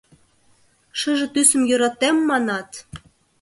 Шыже тӱсым йӧратем, манат.